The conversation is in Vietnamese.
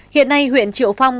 hiện nay huyện triệu phong